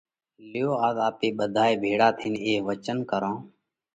ليو آز آپي ٻڌائي ڀيۯا ٿينَ اي وچنَ ڪرون